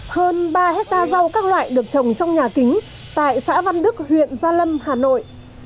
hơn ba hectare rau các loại được trồng trong nhà kính tại xã văn đức huyện gia lâm hà nội